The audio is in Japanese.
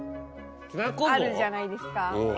あるじゃないですか。